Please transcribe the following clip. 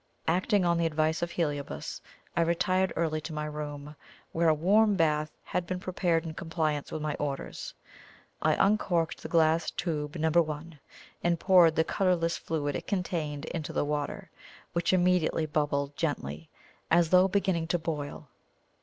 Acting on the advice of Heliobas, I retired early to my room, where a warm bath had been prepared in compliance with my orders. I uncorked the glass tube No. 1, and poured the colourless fluid it contained into the water, which immediately bubbled gently, as though beginning to boil.